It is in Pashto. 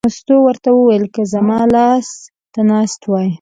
مستو ورته وویل: که زما لاس ته ناست وای.